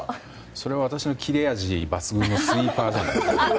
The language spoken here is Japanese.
それは私の切れ味抜群のスイーパーを。